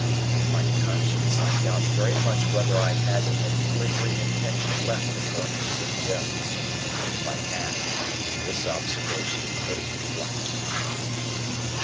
In my conscience, I doubt very much whether I had any lingering intention left of going to see Joe; but if I had, this observation put it to flight.